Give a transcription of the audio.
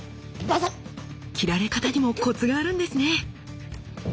斬られ方にもコツがあるんですね。